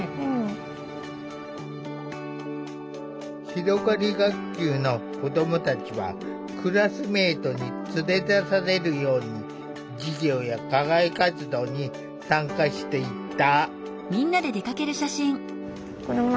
ひろがり学級の子どもたちはクラスメートに連れ出されるように授業や課外活動に参加していった。